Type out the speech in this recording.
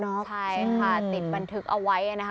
ใช่ค่ะติดบันทึกเอาไว้นะคะ